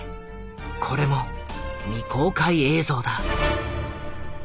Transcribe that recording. これも未公開映像だ。